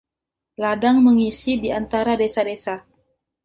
Ladang mengisi di antara desa-desa.